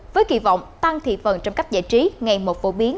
với kỳ vọng tăng thị phần trong cách giải trí ngày một phổ biến